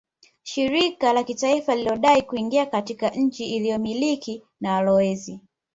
Shirika la kitaifa lilodai kuingia katika nchi iliyomilikwa na walowezi